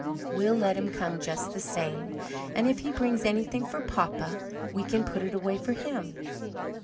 "We'll let him come just the same, and if he brings anything for papa we can put it away for him."